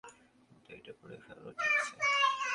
কিন্তু, এইটা পড়ে ফেল, ঠিক আছে?